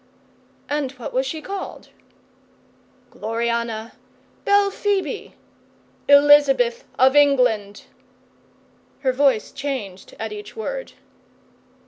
'And what was she called?' 'Gloriana Belphoebe Elizabeth of England.' Her voice changed at each word.